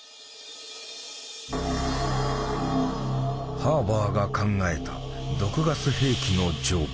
ハーバーが考えた毒ガス兵器の条件。